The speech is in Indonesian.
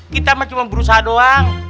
kita cuma berusaha doang